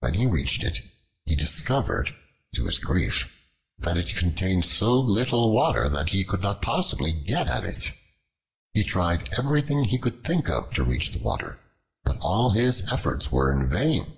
When he reached it, he discovered to his grief that it contained so little water that he could not possibly get at it. He tried everything he could think of to reach the water, but all his efforts were in vain.